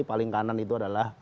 paling kanan itu adalah